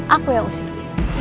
aku yang usir dia